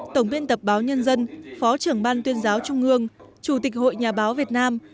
tổng biên tập báo nhân dân phó trưởng ban tuyên giáo trung ương chủ tịch hội nhà báo việt nam